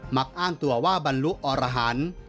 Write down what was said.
มักอ้างตัวว่าบรรลุอรหันต์